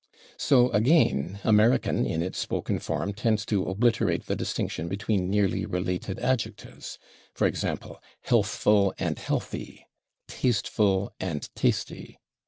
So, again, American, in its spoken form, tends to obliterate the distinction between nearly related adjectives, /e. g./, /healthful/ and /healthy/, /tasteful/ and /tasty